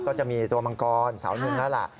ก็จะมีตัวมังกรเสาหนึ่งแล้วล่ะ